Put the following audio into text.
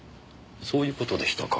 そういう事でしたか。